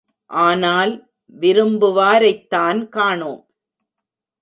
ஆனால், விரும்புவாரைத்தான் காணோம்.